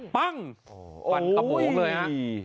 ปั้งควันขโหมกเลยฮะ